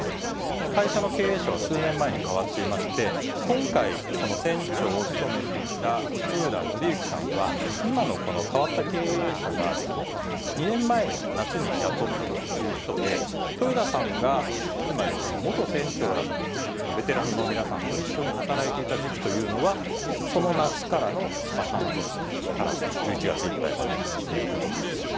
この会社の経営者は数年前に代わっていまして、今回、船長を務めていた豊田徳幸さんは、今のこの代わった経営者が、２年前の夏に雇ったという人で、豊田さんがつまり元船長らと、ベテランの皆さんと一緒に働いていた時期というのは、その夏からの半年から１１月いっぱいまでということになります。